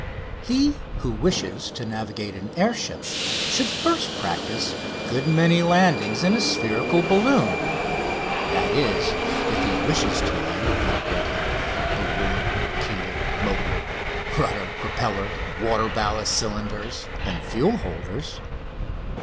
He who wishes to navigate an air ship should first practise a good many landings in a spherical balloon that is, if he wishes to land without breaking balloon, keel, motor, rudder, propeller, water ballast cylinders, and fuel holders.